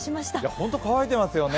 本当、乾いてますよね。